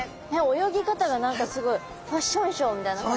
泳ぎ方が何かすごいファッションショーみたいな感じ。